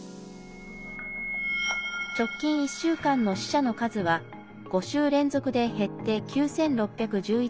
直近１週間の死者の数は５週連続で減って９６１１。